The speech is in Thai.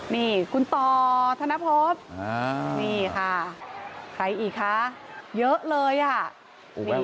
นี่คุณต่อธนภพนี่ค่ะใครอีกคะเยอะเลยอ่ะ